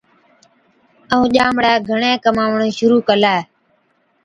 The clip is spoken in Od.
ائُون ڄامڙَي گھڻَي ڪماوَڻ شرُوع ڪلَي۔